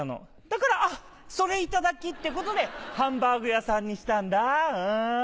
だからあっそれ頂きってことでハンバーグ屋さんにしたんだ。